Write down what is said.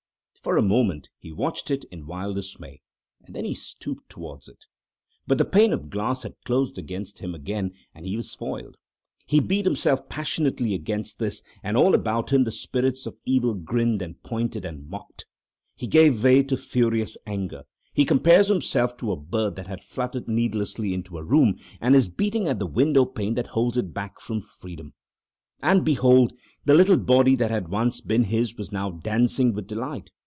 For a moment he watched it in wild dismay, and then he stooped towards it. But the pane of glass had closed against him again, and he was foiled. He beat himself passionately against this, and all about him the spirits of evil grinned and pointed and mocked. He gave way to furious anger. He compares himself to a bird that has fluttered heedlessly into a room and is beating at the window pane that holds it back from freedom. And behold! the little body that had once been his was now dancing with delight.